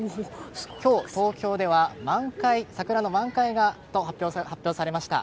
今日、東京では桜の満開が発表されました。